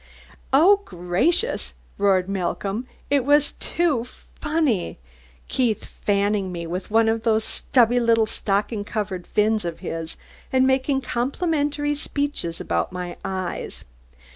"Oh, gracious!" roared Malcolm. "It was too funny; Keith, fanning me with one of those stubby little stocking covered fins of his, and making complimentary speeches about my eyes.